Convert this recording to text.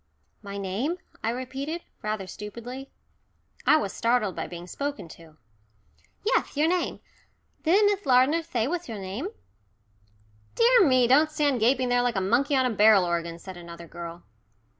"My name," I repeated, rather stupidly. I was startled by being spoken to. "Yes, your name. Didn't Miss Lardner say what's your name? Dear me don't stand gaping there like a monkey on a barrel organ," said another girl.